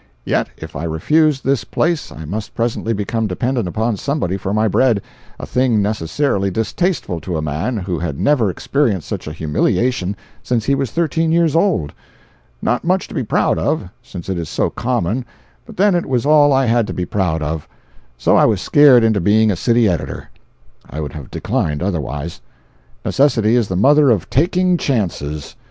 Yet if I refused this place I must presently become dependent upon somebody for my bread, a thing necessarily distasteful to a man who had never experienced such a humiliation since he was thirteen years old. Not much to be proud of, since it is so common—but then it was all I had to be proud of. So I was scared into being a city editor. I would have declined, otherwise. Necessity is the mother of "taking chances."